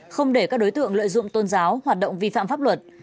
không để các đối tượng lợi dụng tôn giáo hoạt động vi phạm pháp luật